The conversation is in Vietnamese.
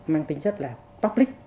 mang tính chất là public